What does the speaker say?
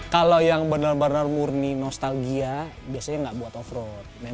kalau yang benar benar murni nostalgia biasanya nggak buat off road